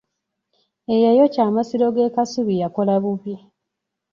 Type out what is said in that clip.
Eyayokya amasiro g'e Kasubi yakola bubi.